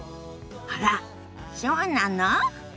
あらっそうなの？